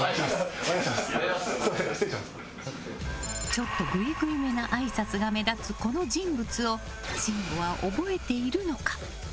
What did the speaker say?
ちょっとグイグイめなあいさつが目立つこの人物を信五は覚えているのか。